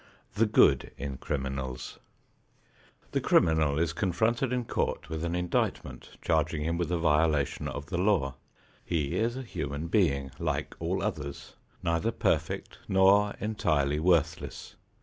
XXV THE GOOD IN CRIMINALS The criminal is confronted in court with an indictment charging him with a violation of the law. He is a human being, like all others, neither perfect nor entirely worthless.